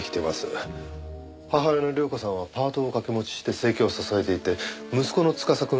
母親の亮子さんはパートを掛け持ちして生計を支えていて息子の司くん